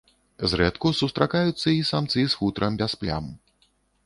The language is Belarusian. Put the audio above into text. Зрэдку сустракаюцца і самцы з футрам без плям.